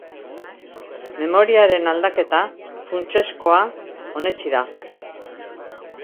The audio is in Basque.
Memoriaren aldaketa funtsezkoa onetsi da.